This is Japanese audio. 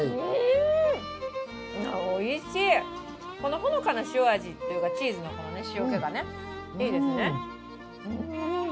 ほのかな塩味というか、チーズの塩気がいいですね。